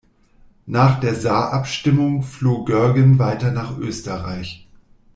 Nach der Saarabstimmung floh Görgen weiter nach Österreich.